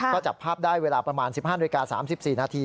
ก็จับภาพได้เวลาประมาณ๑๕นาฬิกา๓๔นาที